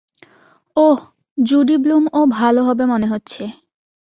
ওহ, Judy Blume ও ভালো হবে মনে হচ্ছে।